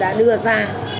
đã đưa ra